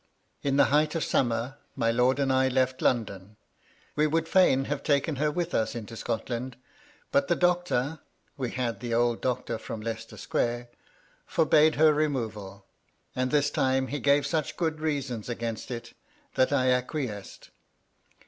In the height of sum mer my lord and I left London. We would fisdn have taken her with us into Scotland, but the doctor (we had the old doctor from Leicester Square) forbade her removal; and this time he gave such good reasons against it that I acquiesced.